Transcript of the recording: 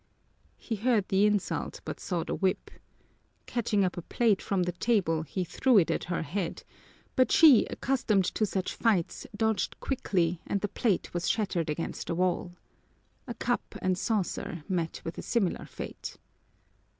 He heard the insult, but saw the whip. Catching up a plate from the table, he threw it at her head, but she, accustomed to such fights, dodged quickly and the plate was shattered against the wall. A cup and saucer met with a similar fate.